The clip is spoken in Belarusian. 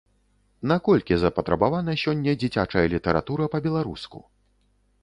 Наколькі запатрабавана сёння дзіцячая літаратура па-беларуску?